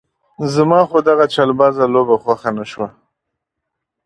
زما خو دغه چلبازه لوبه خوښه نه شوه.